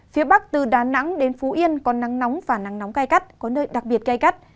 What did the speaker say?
phía bắc từ đà nẵng đến phú yên có nắng nóng và nắng nóng cay cắt có nơi đặc biệt cay cắt